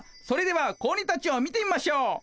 それでは子鬼たちを見てみましょう。